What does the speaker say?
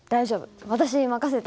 私に任せて。